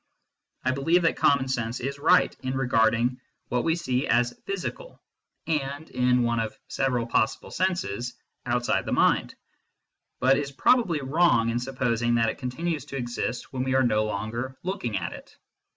I believe that common sense is right in 128 MYSTICISM AND LOGIC regarding what we see as physical and (in one of several possible senses) outside the mind, but is probably wrong in supposing that it continues to exist when we are no longer looking at it.